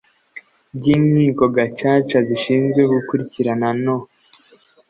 by inkiko Gacaca zishinzwe gukurikirana no